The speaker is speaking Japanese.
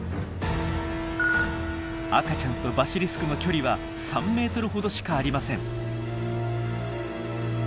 赤ちゃんとバシリスクの距離は３ｍほどしかありません。